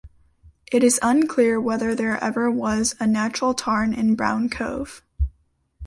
It is unclear whether there ever was a natural tarn in Brown Cove.